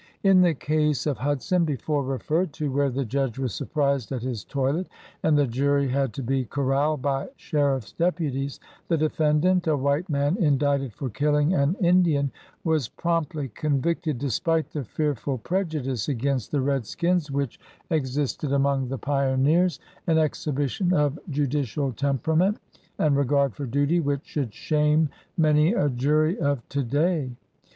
In the case of Hudson before referred to, where the judge was surprised at his toilet and the jury had to be corralled by sheriff's deputies, the defendant, a white man indicted for killing an Indian, was promptly convicted despite the fearful prejudice against the redskins which ex 25 LINCOLN THE LAWYER isted among the pioneers — an exhibition of judi cial temperament and regard for duty which should shame many a jury of to day.